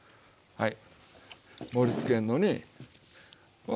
はい。